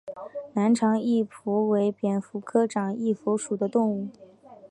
南长翼蝠为蝙蝠科长翼蝠属的动物。